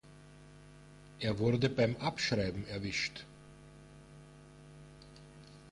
Er wurde beim abschreiben erwischt.